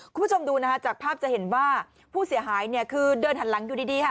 คุณผู้ชมดูนะคะจากภาพจะเห็นว่าผู้เสียหายเนี่ยคือเดินหันหลังอยู่ดีค่ะ